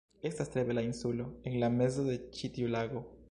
Estas tre bela insulo, en la mezo de ĉi tiu lago